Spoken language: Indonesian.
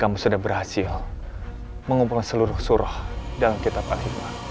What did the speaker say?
kamu sudah berhasil mengumpulkan seluruh surah dalam kitab al hikmah